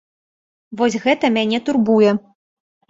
Вось гэта мяне турбуе.